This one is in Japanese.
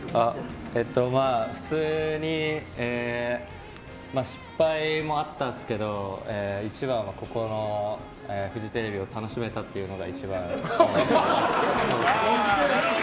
普通に失敗もあったんですけど一番はここのフジテレビを楽しめたというのが。